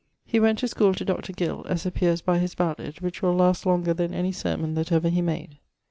He went to schoole to Dr. Gill, as appeares by his ballad, which will last longer then any sermon that ever he made.